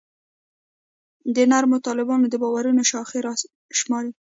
د نرمو طالبانو د باورونو شاخصې راشماري.